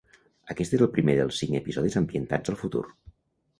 Aquest és el primer dels cinc episodis ambientats al futur.